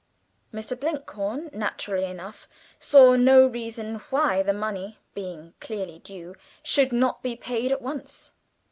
Mr. Blinkhorn, naturally enough, saw no reason why the money, being clearly due, should not be paid at once.